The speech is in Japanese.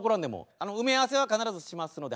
あの埋め合わせは必ずしますので。